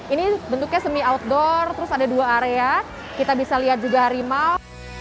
ini bentuknya semi outdoor terus ada dua area kita bisa lihat juga harimau